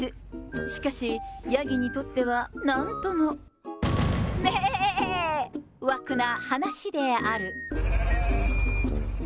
しかし、ヤギにとってはなんとも、めぇーわくな話である。